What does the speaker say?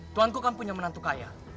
tuhan ku kan punya menantu kaya